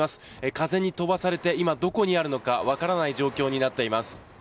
風に飛ばされて今どこにあるのか分からない状況になっています。